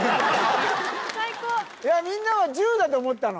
みんなは１０だと思ったの？